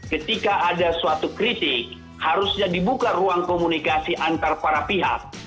ketika ada suatu kritik harusnya dibuka ruang komunikasi antar para pihak